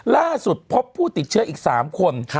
ล่าสุดพบผู้ติดเชื้ออีก๓คน